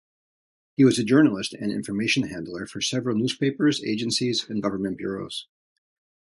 He was a journalist and information handler for several newspapers, agencies, and government bureaus.